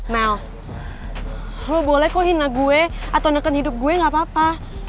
mel lo boleh kok hina gue atau neken hidup gue gapapa